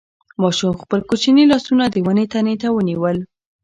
ماشوم خپل کوچني لاسونه د ونې تنې ته ونیول.